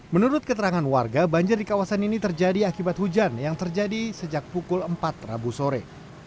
menurut keterangan warga banjir di kawasan ini terjadi akibat hujan yang terjadi sejak pukul empat rabu sore